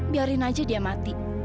biarin aja dia mati